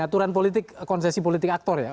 aturan politik konsesi politik aktor ya